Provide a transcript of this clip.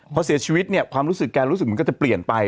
พอเสียชีวิตเนี่ยความรู้สึกแกรู้สึกเหมือนแกจะเปลี่ยนไป